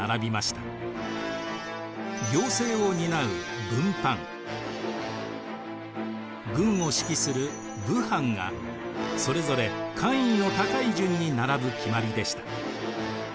行政を担う文班軍を指揮する武班がそれぞれ官位の高い順に並ぶ決まりでした。